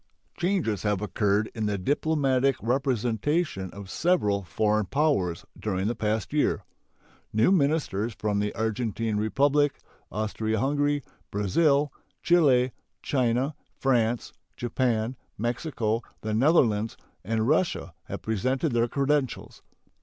Changes have occurred in the diplomatic representation of several foreign powers during the past year. New ministers from the Argentine Republic, Austria Hungary, Brazil, Chile, China, France, Japan, Mexico, the Netherlands, and Russia have presented their credentials.